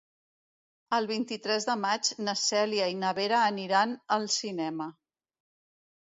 El vint-i-tres de maig na Cèlia i na Vera aniran al cinema.